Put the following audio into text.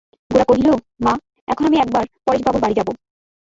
গোরা কহিল, মা, এখন আমি একবার পরেশবাবুর বাড়ি যাব।